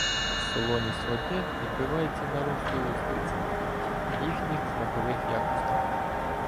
Солоність води відбивається на росту устриць й їхніх смакових якостях.